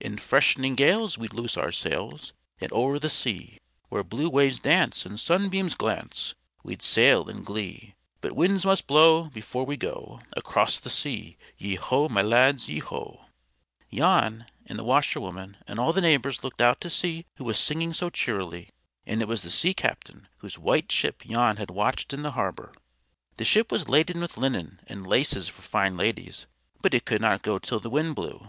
In fresh'ning gales we'd loose our sails, And o'er the sea, Where blue waves dance, and sunbeams glance, We'd sail in glee, But winds must blow, before we go, Across the sea, Yeo ho! my lads, yeo ho!"_ [Footnote 1: Air Nancy Lee.] Jan and the Washerwoman and all the neighbors looked out to see who was singing so cheerily, and it was the Sea captain whose white ship Jan had watched in the harbor. The ship was laden with linen and laces for fine ladies, but it could not go till the wind blew.